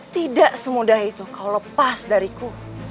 tidak semudah itu kau lepas dariku